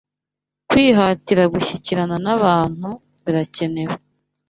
Kwihatira gushyikirana n’abantu birakenewe